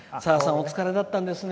お疲れだったんですね。